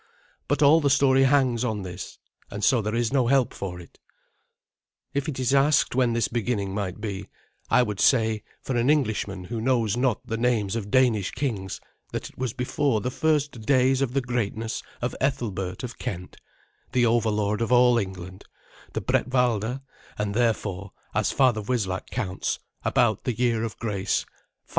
But all the story hangs on this, and so there is no help for it. If it is asked when this beginning might be, I would say, for an Englishman who knows not the names of Danish kings, that it was before the first days of the greatness of Ethelbert of Kent, the overlord of all England, the Bretwalda, and therefore, as Father Wislac counts, about the year of grace 580.